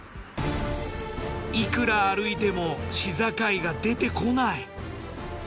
いくら歩いても市境が出てこない。